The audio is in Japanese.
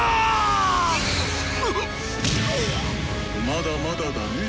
まだまだだね。